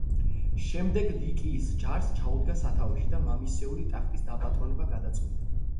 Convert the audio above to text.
შემდეგ ლიკიის ჯარს ჩაუდგა სათავეში და მამისეული ტახტის დაპატრონება გადაწყვიტა.